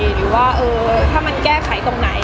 หรือว่าถ้ามันแก้ไขตรงไหน